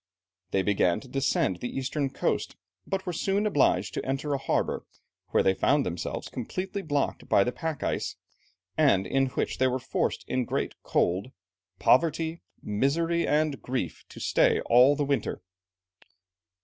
They began to descend the eastern coast, but were soon obliged to enter a harbour, where they found themselves completely blocked in by the pack ice, and in which "they were forced in great cold, poverty, misery, and grief, to stay all the winter."